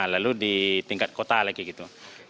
lalu di tingkat kota lagi gitu